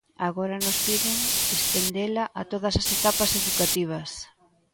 Agora nos piden estendela a todas as etapas educativas.